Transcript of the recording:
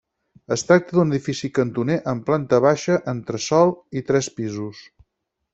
Es tracta d'un edifici cantoner amb planta baixa, entresòl i tres pisos.